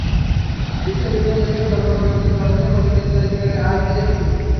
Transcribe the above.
বিশ্বের বিভিন্ন দেশ থেকে জলবায়ু পরিবর্তনের তথ্য নিয়ে প্রতিবেদন তৈরি করে আইপিসিসি।